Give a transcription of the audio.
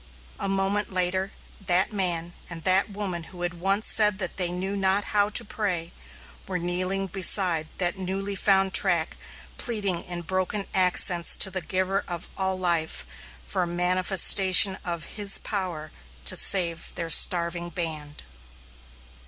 A moment later, that man and that woman who had once said that they knew not how to pray, were kneeling beside that newly found track pleading in broken accents to the Giver of all life, for a manifestation of His power to save their starving band.